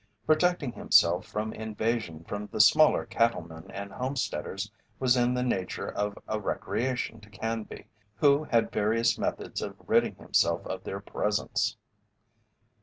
Protecting himself from invasion from the smaller cattlemen and homesteaders was in the nature of a recreation to Canby, who had various methods of ridding himself of their presence.